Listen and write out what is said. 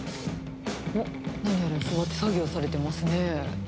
おっ、何やら座って作業をされてますね。